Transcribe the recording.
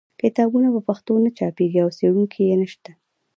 کتابونه په پښتو نه چاپېږي او خپرونکي یې نشته.